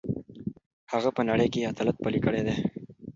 هغه په نړۍ کې عدالت پلی کړی دی.